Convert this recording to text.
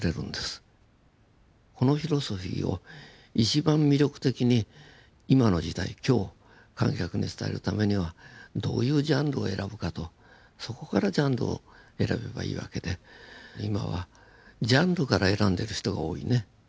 このフィロソフィーを一番魅力的に今の時代今日観客に伝えるためにはどういうジャンルを選ぶかとそこからジャンルを選べばいいわけで今はジャンルから選んでる人が多いね。